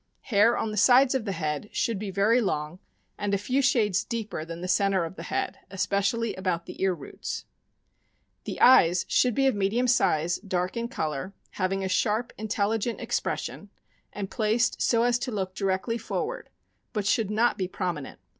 Hair on the sides of the head should be very long, and a few shades deeper than the center of the head, especially about the ear roots. THE YORKSHIRE TERRIER. 451 The eyes should be of medium size, dark in color, having a sharp, intelligent expression, and placed so as to look directly forward, but should not be prominent.